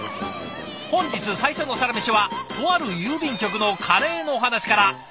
本日最初のサラメシはとある郵便局のカレーのお話から。